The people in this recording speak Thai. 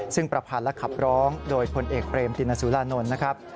ซึ่งประพันธ์และขับร้องโดยพลเอกเบรมตินสุรานนท์นะครับ